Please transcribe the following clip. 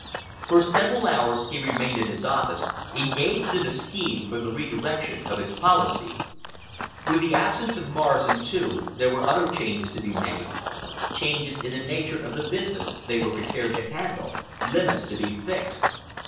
For several hours he remained in his office, engaged in a scheme for the redirection of its policy. With the absence of Morrison, too, there were other changes to be made,—changes in the nature of the business they were prepared to handle, limits to be fixed.